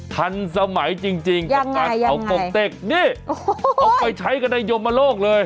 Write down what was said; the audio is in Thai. ทันสมัยจริงกับการเผากงเต็กนี่เอาไปใช้กันในยมโลกเลย